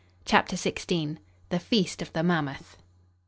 CHAPTER XVI. THE FEAST OF THE MAMMOTH.